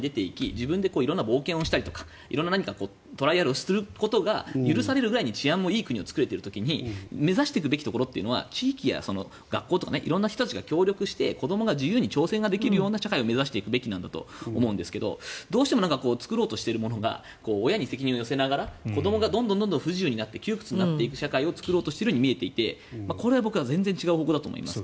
自分で冒険をしたり色んなトライアルをすることが許されるぐらいに治安もいい国を作れている時に目指していくところというのは地域や学校とか色んな人たちが協力して子どもが自由に挑戦ができる社会を目指していくべきだと思いますがどうしても作ろうとしているものが親に責任を寄せながら子どもがどんどん不自由になって窮屈になっていく社会を作っているように見えていてこれは全然違うと思います。